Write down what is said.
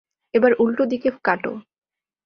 এবার উল্টো দিকে কাটো।